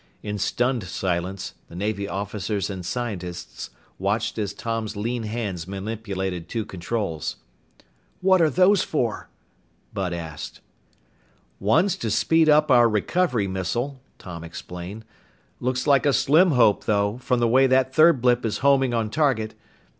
In stunned silence, the Navy officers and scientists watched as Tom's lean hands manipulated two controls. "What are those for?" Bud asked. "One's to speed up our recovery missile," Tom explained. "Looks like a slim hope, though, from the way that third blip is homing on target.